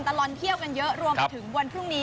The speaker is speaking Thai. ตลอดเที่ยวกันเยอะรวมไปถึงวันพรุ่งนี้